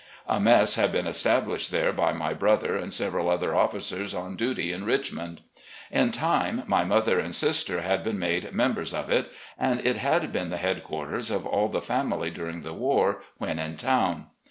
A mess had been established there by my brother and several other officers on duty in Richmond. In time, my mother and sister had been made members 170 RE(X)LLECTIONS OE GENERAL LEE of it, and it had been the headquarters of all of the family during the war, when in town.